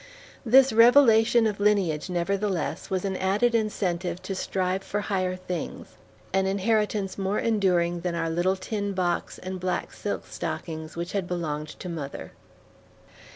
This revelation of lineage, nevertheless, was an added incentive to strive for higher things; an inheritance more enduring than our little tin box and black silk stockings which had belonged to mother.